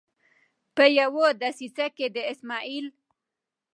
په یوه دسیسه کې د اسمعیل